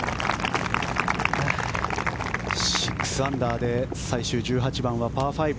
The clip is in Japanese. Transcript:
６アンダーで最終１８番はパー５。